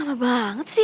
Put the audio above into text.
lama banget sih